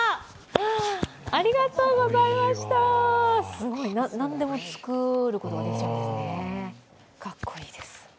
すごい、何でも作ることができちゃうんですね、かっこいいです。